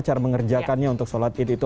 cara mengerjakannya untuk sholat id itu